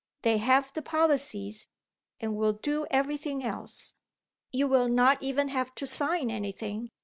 They have the policies, and will do everything else; you will not even have to sign anything.